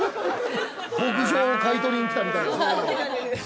◆牧場を買い取りに来たみたいな。